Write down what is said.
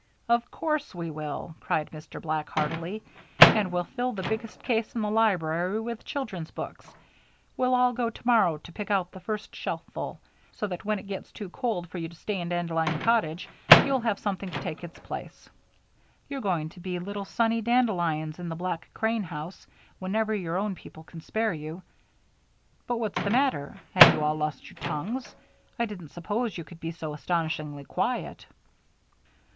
"Of course we will," cried Mr. Black, heartily. "And we'll fill the biggest case in the library with children's books we'll all go tomorrow to pick out the first shelfful so that when it gets too cold for you to stay in Dandelion Cottage you'll have something to take its place. You're going to be little sunny Dandelions in the Black Crane house whenever your own people can spare you. But what's the matter? Have you all lost your tongues? I didn't suppose you could be so astonishingly quiet."